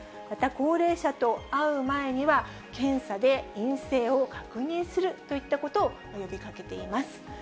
また、高齢者と会う前には検査で陰性を確認するといったことを呼びかけています。